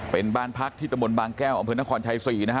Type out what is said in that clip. เป็นบ้านพักที่ตบแก้วอคชาย๔นะฮะ